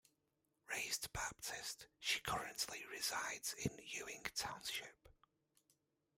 Raised Baptist, she currently resides in Ewing Township.